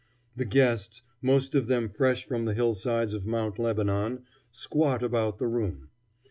The guests, most of them fresh from the hillsides of Mount Lebanon, squat about the room.